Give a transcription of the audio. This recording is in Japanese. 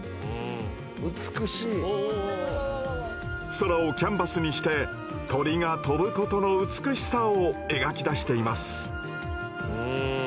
空をキャンバスにして鳥が「飛ぶ」ことの美しさを描き出しています。